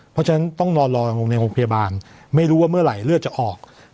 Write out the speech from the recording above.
เพราะฉะนั้นต้องนอนรอในโรงพยาบาลไม่รู้ว่าเมื่อไหร่เลือดจะออก